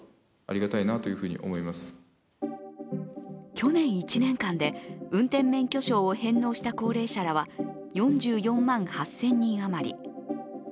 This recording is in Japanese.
去年１年間で運転免許証を返納した高齢者らは４４万８０００人余り。